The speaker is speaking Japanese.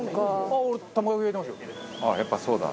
ああやっぱそうだ。